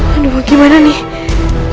aduh gimana nih